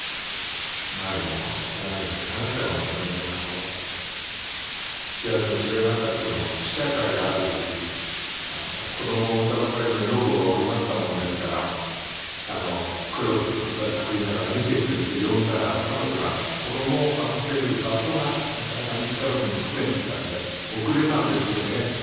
前も黒柳さんに話したかもしれませんが『幸福の黄色いハンカチ』の試写会がある時子供を産んだばかりの女房がおりましたもんですから苦労して作った作品だから見てくれっていって呼んだら彼女が子供を預ける場所がなかなか見つからずに苦戦していたみたいで遅れたんですよね。